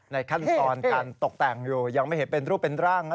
ขั้นตอนการตกแต่งอยู่ยังไม่เห็นเป็นรูปเป็นร่างนะ